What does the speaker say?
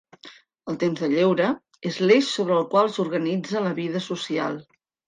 El temps de lleure és l'eix sobre el qual s'organitza la vida social.